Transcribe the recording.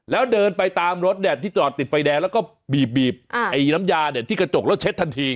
แล้วเดินไปตามรถที่จอดติดไฟแดงแล้วก็บีบน้ำยาที่กระจกแล้วเช็ดทันที